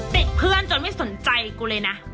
เพื่อนจนไม่สนใจกูเลยนะ